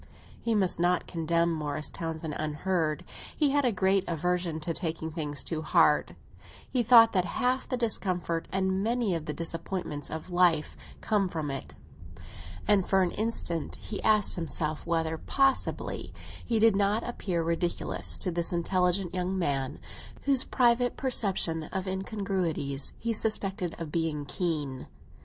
He must not condemn Morris Townsend unheard. He had a great aversion to taking things too hard; he thought that half the discomfort and many of the disappointments of life come from it; and for an instant he asked himself whether, possibly, he did not appear ridiculous to this intelligent young man, whose private perception of incongruities he suspected of being keen.